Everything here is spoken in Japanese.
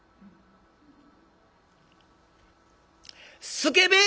「すけべえ！」。